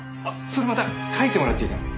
それまた描いてもらっていいかな？